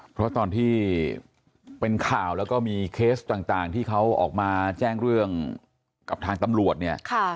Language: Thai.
เพราะตอนที่เป็นข่าวแล้วก็มีเคสต่างที่เขาออกมาแจ้งเรื่องกับทางตำรวจเนี่ย